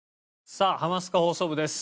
さあ『ハマスカ放送部』です。